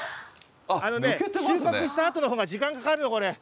あのね、収穫したあとのほうが時間がかかるの、これ。